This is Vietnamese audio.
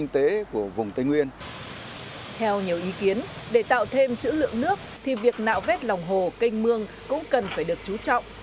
theo nhiều ý kiến để tạo thêm chữ lượng nước thì việc nạo vét lòng hồ canh mương cũng cần phải được chú trọng